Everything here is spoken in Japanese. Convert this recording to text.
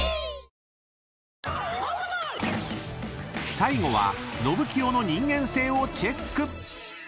［最後はのぶきよの人間性をチェック］